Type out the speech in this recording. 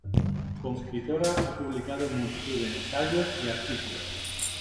Como escritora ha publicado multitud de ensayos y artículos.